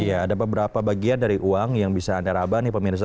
iya ada beberapa bagian dari uang yang bisa anda raba nih pemirsa